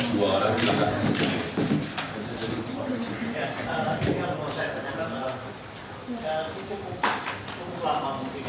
dua orang silakan